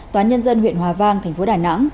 toán nhân dân huyện hòa vang tp đà nẵng